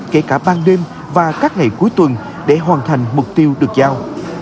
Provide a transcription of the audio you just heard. kể cả ban đêm và các ngày cuối tuần để hoàn thành mục tiêu được giao